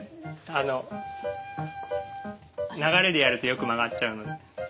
あの流れでやるとよく曲がっちゃうので。